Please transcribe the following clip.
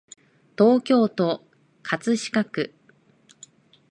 東京都葛飾区